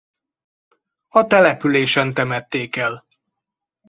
A településen temették el.